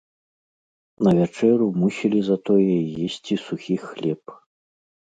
На вячэру мусілі затое есці сухі хлеб.